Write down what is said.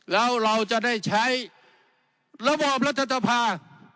แล้วเราจะได้ใช้ระบอบรัฐสภา